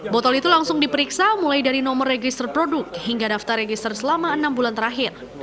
botol itu langsung diperiksa mulai dari nomor register produk hingga daftar register selama enam bulan terakhir